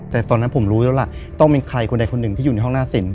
แต่ตอนนั้นผมรู้แล้วล่ะต้องเป็นใครคนใดคนหนึ่งที่อยู่ในห้องหน้าสิน